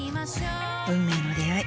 運命の出会い。